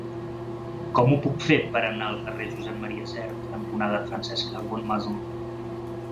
Com ho puc fer per anar al carrer Josep M. Sert cantonada Francesca Bonnemaison?